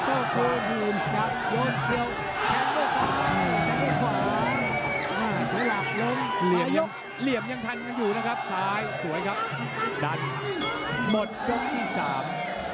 ก็เป็นของหลับลงเรียบยังทันกันอยู่นะครับซ้ายสวยครับดันหมดกลุ่มที่สาม